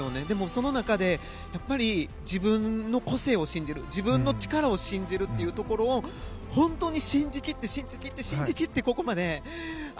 でも、その中で自分の個性を信じる自分の力を信じるというところを本当に信じ切って、信じ切ってここまで。